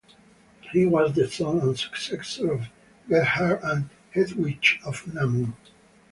He was the son and successor of Gerhard and Hedwige of Namur.